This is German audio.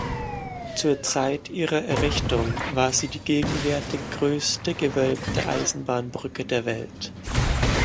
Zur Zeit ihrer Errichtung war sie die „gegenwärtig größte gewölbte Eisenbahnbrücke der Welt“.